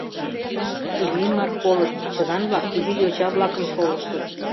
Иллимар колын: чыган-влак изи йоча-влакым шолыштыт.